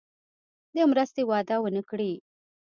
د مرستې وعده ونه کړي.